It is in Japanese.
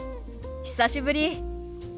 久しぶり。